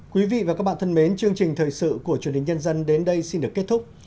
quý vị và các bạn thân mến chương trình thời sự của truyền hình nhân dân đến đây xin được kết thúc